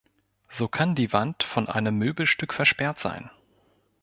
So kann die Wand von einem Möbelstück versperrt sein.